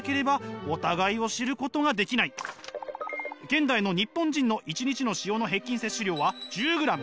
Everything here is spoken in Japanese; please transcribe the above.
現代の日本人の１日の塩の平均摂取量は１０ｇ。